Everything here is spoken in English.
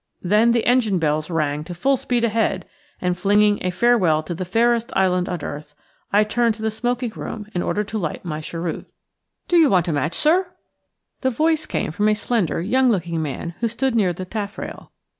Then the engine bells rang to "Full speed ahead", and, flinging a farewell to the fairest island on earth, I turned to the smoking room in order to light my cheroot. "Do you want a match, sir?" "DO YOU WANT A MATCH, SIR?" The voice came from a slender, young looking man who stood near the taffrail.